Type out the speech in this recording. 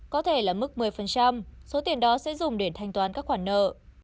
có thể là mức một mươi số tiền đó sẽ dùng để thanh toán các khoản nợ